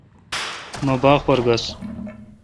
مہ باغ پر گس۔